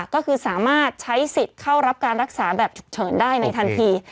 ก็คือสามารถใช้สิทธิ์เข้ารับการรักษาแบบฉุกเฉินได้ในทันที